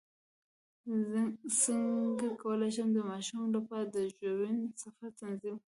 څنګه کولی شم د ماشومانو لپاره د ژوبڼ سفر تنظیم کړم